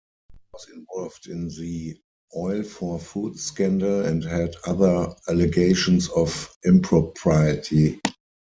He was involved in the oil-for-food scandal and had other allegations of impropriety.